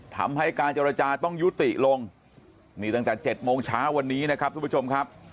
ทำให้การเจรจาต้องยุติลงนี่ตั้งแต่๗โมงเช้าวันนี้นะครับทุกผู้ชมครับ